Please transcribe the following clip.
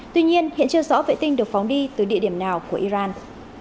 tuy nhiên hiện chưa rõ vệ tinh được phóng đi từ địa điểm nào của iran